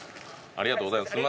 ありがとうございます。